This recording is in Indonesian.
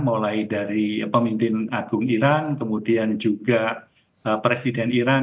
mulai dari pemimpin agung iran kemudian juga presiden iran